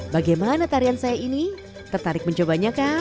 bagaimana tarian saya ini tertarik mencobanya kan